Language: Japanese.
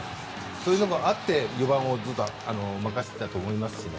そういうのもあって４番をずっと任せていたと思いますしね。